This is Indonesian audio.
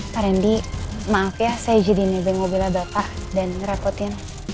pak randy maaf ya saya jadi nebeng mobilnya bapak dan ngerepotin